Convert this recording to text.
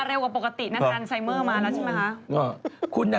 มาเร็วกว่าปกตินะท่านไซเมอร์มาแล้วใช่ไหมคะ